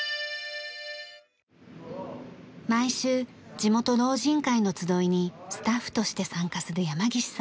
毎週地元老人会の集いにスタッフとして参加する山岸さん。